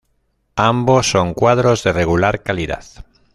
Ambos son cuadros de regular calidad.